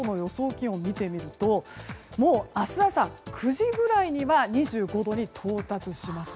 気温を見てみるともう明日朝９時くらいには２５度に到達します。